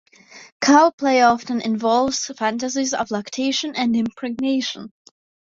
Cow Play often involves fantasies of lactation and impregnation.